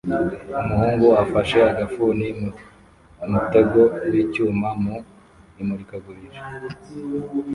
Umuhungu afashe agafuni mu mutego w'icyuma mu imurikagurisha